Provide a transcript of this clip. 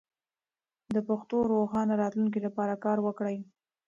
د پښتو د روښانه راتلونکي لپاره کار وکړئ.